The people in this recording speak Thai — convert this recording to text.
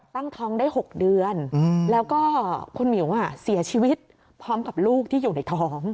ตั้งท้องได้๖เดือนแล้วก็คุณหมิวเสียชีวิตพร้อมกับลูกที่อยู่ในท้อง